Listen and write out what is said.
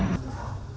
em có chứ